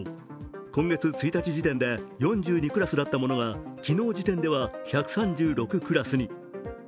今月１日時点で４２クラスだったものが昨日時点では１３６クラスに。